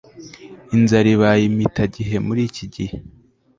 inzara ibaye impitagihe muri ikighe